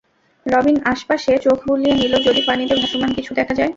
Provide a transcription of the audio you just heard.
রবিন আশপাশে চোখ বুলিয়ে নিল যদি পানিতে ভাসমান কিছু দেখা যায়।